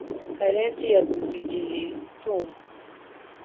Karenzi yaguze igihe, ndumva